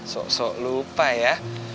sok sok lupa ya